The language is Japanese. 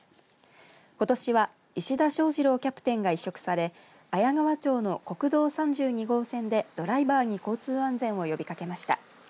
ことしは石田翔二朗キャプテンが委嘱され綾川町の国道３２号線でドライバーに交通安全を呼びかけていました。